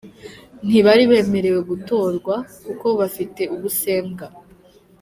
ntibari bemerewe gutorwa kuko bafite ubusembwa,.